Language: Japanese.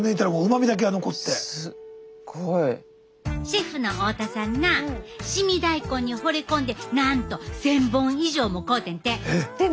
シェフの太田さんな凍み大根にほれ込んでなんと１，０００本以上も買うてんて！